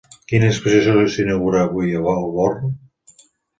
Quina exposició s'inaugura avui al Born?